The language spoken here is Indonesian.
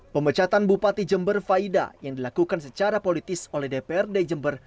pemecatan bupati jember faida yang dilakukan secara politis oleh dprd jember